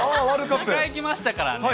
２回行きましたからね。